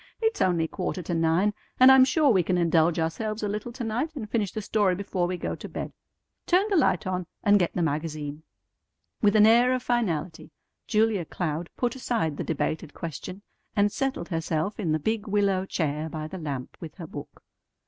"It's only quarter to nine, and I'm sure we can indulge ourselves a little to night, and finish the story before we go to bed. Turn the light on, and get the magazine." With an air of finality Julia Cloud put aside the debated question, and settled herself in the big willow chair by the lamp with her book.